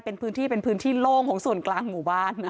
เป็นพื้นที่โล่งของส่วนกลางหมู่บ้าน